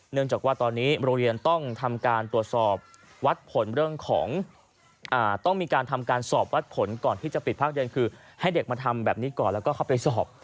จากว่าตอนนี้โรงเรียนต้องทำการตรวจสอบวัดผลเรื่องของต้องมีการทำการสอบวัดผลก่อนที่จะปิดภาคเรียนคือให้เด็กมาทำแบบนี้ก่อนแล้วก็เข้าไปสอบ